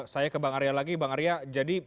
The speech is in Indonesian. saya ke bang arya lagi bang arya